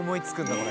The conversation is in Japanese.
これ。